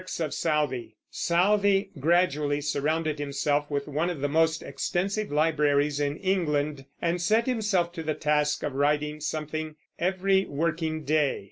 Southey gradually surrounded himself with one of the most extensive libraries in England, and set himself to the task of of writing something every working day.